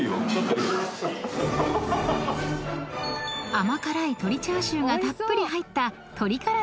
［甘辛い鶏チャーシューがたっぷり入った］